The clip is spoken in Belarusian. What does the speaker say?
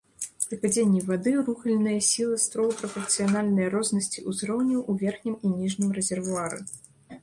Пры падзенні вады рухальная сіла строга прапарцыянальная рознасці узроўняў у верхнім і ніжнім рэзервуары.